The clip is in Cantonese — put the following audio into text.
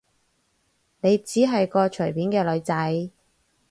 你只係個隨便嘅女仔